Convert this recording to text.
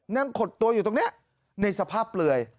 นั่งขดตัวอยู่ตรงเนี่ยในสภาพเปลือย